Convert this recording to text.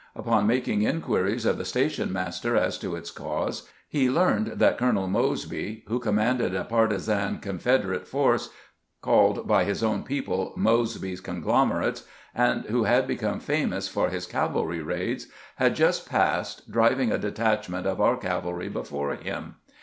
Upon making inquiries of the station master as to its cause, he learned that Colonel Mosby, who commanded a partizan Confederate force, called by his own people Mosby's " conglomerates," and who had become famous for his cavalry raids, had just passed, driving a detachment of our cavalry before him.